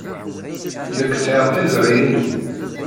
Nekk sɛiɣ tiẓri-inu.